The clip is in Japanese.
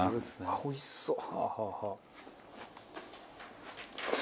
あっおいしそう。